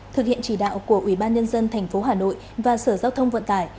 thực hiện chỉ đạo của ubnd tp hà nội và sở giao thông vận tải